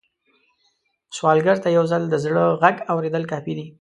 سوالګر ته یو ځل د زړه غږ اورېدل کافي دي